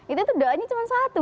itu doanya cuma satu